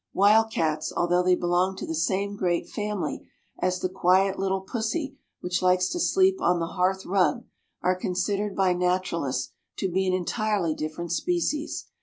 Wild cats, although they belong to the same great family as the quiet little pussy which likes to sleep on the hearth rug, are considered by naturalists to be an entirely different species.